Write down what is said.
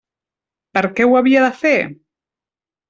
Per què ho havia de fer?